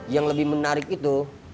yang lebih menarik itu